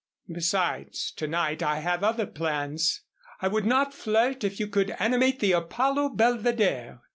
Besides, to night I have other plans. I would not flirt if you could animate the Apollo Belvedere.